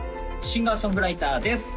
シンガー・ソングライターです